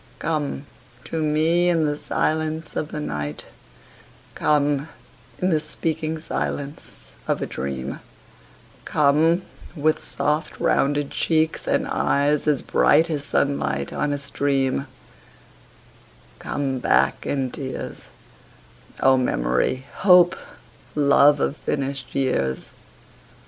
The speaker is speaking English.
Come to me in the silence of the night; Come in the speaking silence of a dream; Come with soft rounded cheeks and eyes as bright As sunlight on a stream; Come back in tears, O memory, hope, love of finished years.